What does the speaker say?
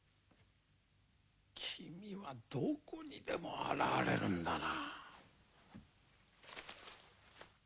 君はどこにでも現れるんだな。